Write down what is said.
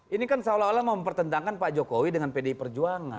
ini kan seolah olah mempertentangkan pak jokowi dengan pdi perjuangan